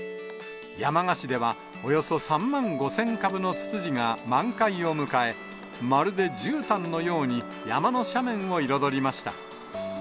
山鹿市ではおよそ３万５０００株のツツジが満開を迎え、まるでじゅうたんのように、山の斜面を彩りました。